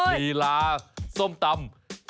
ลีลาส้มตำ